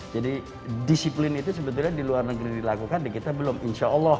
jadi disiplin itu sebetulnya di luar negeri dilakukan di kita belum insya allah